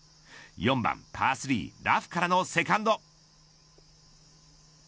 ４番パー３ラフからのセカンド。